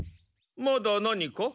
まだ何か？